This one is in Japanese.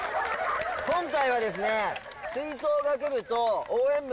今回はですね